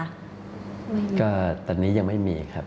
ก็ตอนนี้ยังไม่มีครับ